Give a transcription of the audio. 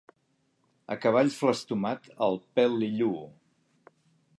A cavall flastomat, el pèl li lluu.